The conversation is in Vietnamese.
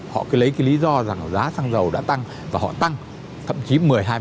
tôi cứ lấy cái lý do rằng là giá răng dầu đã tăng và họ tăng thậm chí một mươi hai mươi